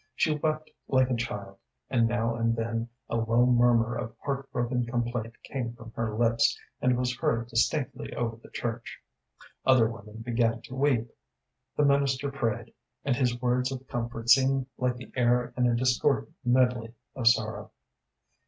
She wept like a child, and now and then a low murmur of heart broken complaint came from her lips, and was heard distinctly over the church. Other women began to weep. The minister prayed, and his words of comfort seemed like the air in a discordant medley of sorrow.